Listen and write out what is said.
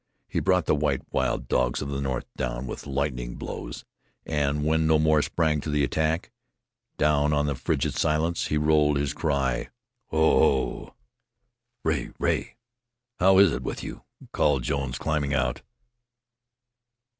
He brought the white wild dogs of the north down with lightning blows, and when no more sprang to the attack, down on the frigid silence he rolled his cry: "Ho! Ho!" "Rea! Rea! how is it with you?" called Jones, climbing out.